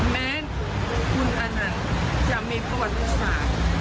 แม้คุณอนันต์จะมีประวัติศาสตร์